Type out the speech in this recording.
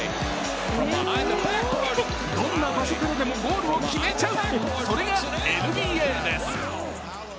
どんな場所からでもゴールを決めちゃう、それがＮＢＡです。